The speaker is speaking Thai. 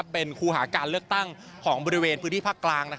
เป็นครูหาการเลือกตั้งของบริเวณพื้นที่ภาคกลาง